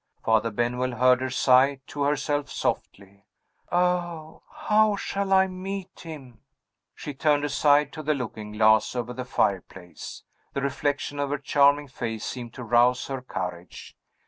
Father Benwell heard her sigh to herself softly, "Oh, how shall I meet him?" She turned aside to the looking glass over the fire place. The reflection of her charming face seemed to rouse her courage.